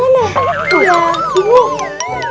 caranya tuh gimana